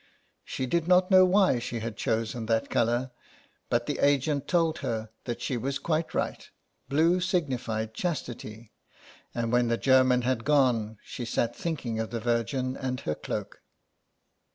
She did not know why she had chosen that colour, but the agent told her that she was quite right ; blue signified chastity ; and when the German had gone she sat thinking of the Virgin and her cloak.